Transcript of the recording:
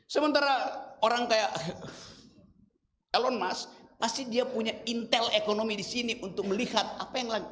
sementara orang kayak elon musk pasti dia punya intel ekonomi di sini untuk melihat apa yang lagi